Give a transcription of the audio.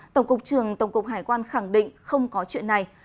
tổng cục trường tổng cục hải quan khẳng định không có chuyện này